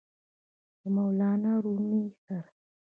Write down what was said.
د مولانا رومي سره!!!